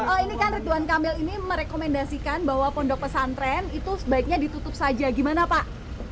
oh ini kan ridwan kamil ini merekomendasikan bahwa pondok pesantren itu sebaiknya ditutup saja gimana pak